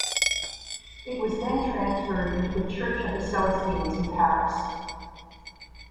It was then transferred to the church of the Celestines in Paris.